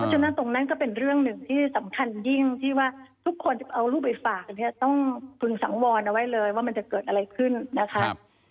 ฉะนั้นตรงนั้นก็เป็นเรื่องหนึ่งที่สำคัญยิ่งที่ว่าทุกคนจะเอารูปไปฝากเนี่ยต้องพึงสังวรเอาไว้เลยว่ามันจะเกิดอะไรขึ้นนะคะ